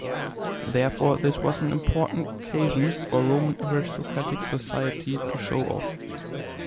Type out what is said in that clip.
Therefore this was an important occasion for Roman aristocratic society to show off.